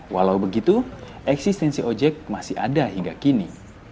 walau begitu eksistensi ojek masih ada hingga kini